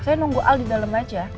saya nunggu al di dalam aja